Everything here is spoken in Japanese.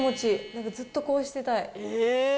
なんかずっとこうしてたい。